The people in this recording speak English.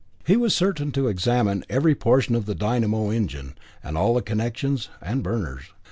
He was certain to examine every portion of the dynamo engine, and all the connections and burners.